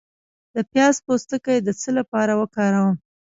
د پیاز پوستکی د څه لپاره وکاروم؟